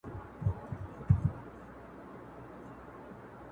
په میاشت کې دننه ستاسې